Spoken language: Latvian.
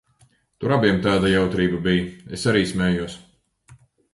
Tur abiem tāda jautrība bija, es arī smējos.